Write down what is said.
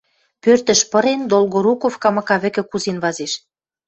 Пӧртӹш пырен, Долгоруков камака вӹкӹ кузен вазеш.